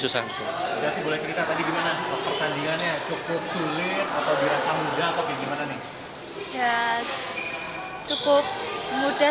susah juga sih boleh cerita tadi gimana pertandingannya cukup sulit atau dirasa mudah